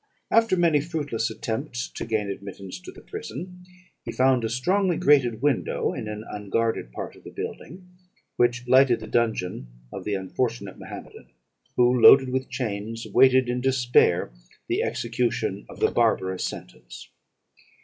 After many fruitless attempts to gain admittance to the prison, he found a strongly grated window in an unguarded part of the building, which lighted the dungeon of the unfortunate Mahometan; who, loaded with chains, waited in despair the execution of the barbarous sentence.